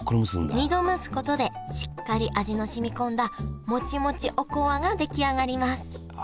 ２度蒸すことでしっかり味の染み込んだモチモチおこわが出来上がりますあ